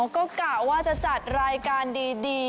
ก็กะว่าจะจัดรายการดี